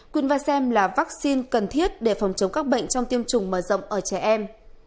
quynh vasem là vaccine cần thiết để phòng chống các bệnh trong tiêm chủng mở rộng ở trẻ em